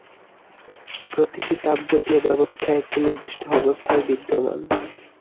প্রতিটি তাপগতীয় ব্যবস্থা একটি নির্দিষ্ট অবস্থায় বিদ্যমান।